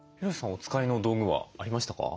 お使いの道具はありましたか？